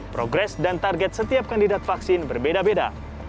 progres dan target setiap kandidat vaksin berbeda beda